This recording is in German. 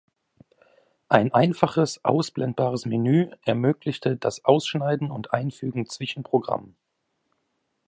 Ein einfaches ausblendbares Menü ermöglichte das Ausschneiden und Einfügen zwischen Programmen.